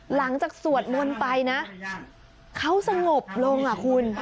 หลังจากสวดมนตร์ไปนะเขาสงบลงคุณ